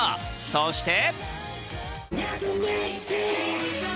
そして。